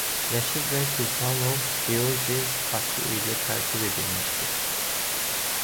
Rəşid bəy Sultanov Georgi xaçı ilə təltif edilmişdi.